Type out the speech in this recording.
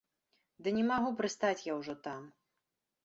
Ды не магу прыстаць я ўжо там.